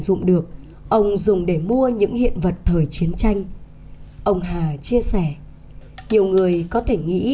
dụng được ông dùng để mua những hiện vật thời chiến tranh ông hà chia sẻ nhiều người có thể nghĩ